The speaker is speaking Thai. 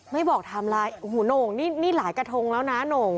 ไม่บอกทำลายโหน่งนี่หลายกระทงแล้วนะ